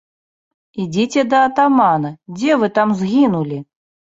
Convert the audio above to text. Ідзіце да атамана, дзе вы там згінулі?